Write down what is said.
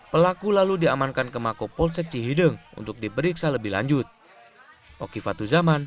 pelaku lalu diamankan ke mako polsek cihideng untuk diperiksa lebih lanjut